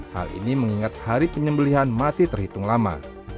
hal ini mengingat hari penyembelihan masih terhitung lama